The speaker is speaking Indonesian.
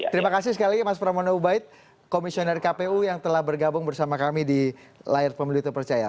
terima kasih sekali lagi mas pramono ubaid komisioner kpu yang telah bergabung bersama kami di layar pemilu terpercaya